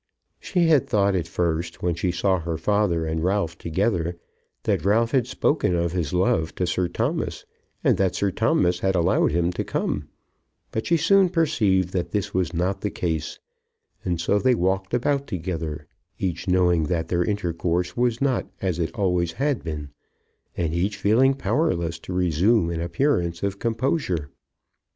She had thought at first when she saw her father and Ralph together, that Ralph had spoken of his love to Sir Thomas, and that Sir Thomas had allowed him to come; but she soon perceived that this was not the case: and so they walked about together, each knowing that their intercourse was not as it always had been, and each feeling powerless to resume an appearance of composure.